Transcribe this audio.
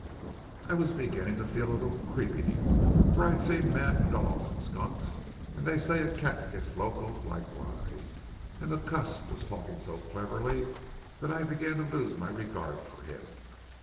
"I was beginning to feel a little creepy, for I'd seen mad dogs and skunks, and they say a cat gets locoed likewise, and the cuss was talking so cleverly that I began to lose my regard for him.